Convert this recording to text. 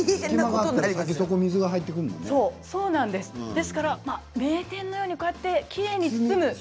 ですから名店のようにこうやってきれいに包む。